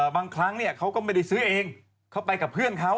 บางครั้งเขาก็ไม่ได้ซื้อเองเขาไปกับเพื่อนเขา